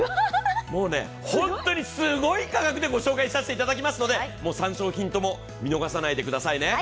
もう、ホントにすごい価格でご紹介させていただきますので、もう３商品とも見逃さないでくださいね。